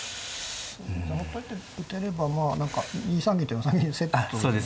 邪魔っぽい手打てればまあ何か２三銀と４三銀セットでね。